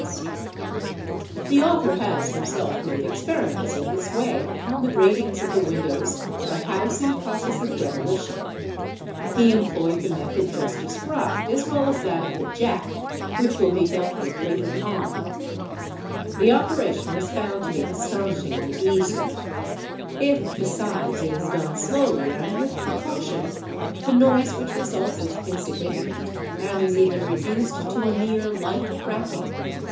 pee SP ART, NE APRS CSET A RELI Oe ee Le ' The author has himself made experiments in this way upon the gra ngs of the windows of a house in process of demolition; he employed 3 91 )| 722 THEFT the method just described as well as that of the jack which will be dealt with later on. The operation was found to be astonishingly easy. If, besides, it is done slowly and with precaution the noise which results is insignificant and is even reduced to a mere light cracking.